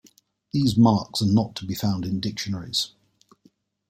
These marks are not to be found in dictionaries.